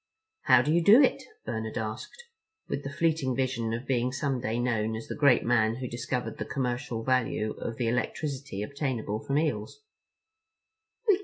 "How do you do it?" Bernard asked, with a fleeting vision of being some day known as the great man who discovered the commercial value of the electricity obtainable from eels.